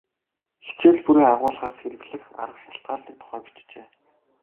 Хичээл бүрийн агуулгаас хэрэглэх арга шалтгаалдаг тухай бичжээ.